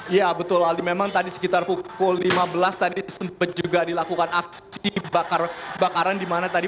iya betul aldi memang tadi sekitar pukul lima belas tadi sempat juga dilakukan aksi bakar bakaran di mana tadi